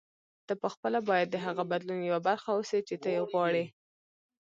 ته پخپله باید د هغه بدلون یوه برخه اوسې چې ته یې غواړې.